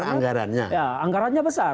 yang besar anggarannya